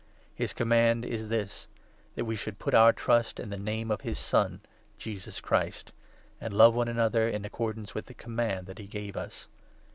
His Command is this — that we should 23 put our trust in the Name of his Son, Jesus Christ, and love one another, in accordance with the Command that he gave us.